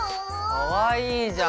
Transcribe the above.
かわいいじゃん！